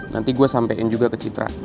nanti gue sampein juga ke citra